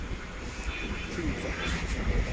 添飯